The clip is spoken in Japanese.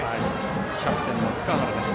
キャプテンの塚原です。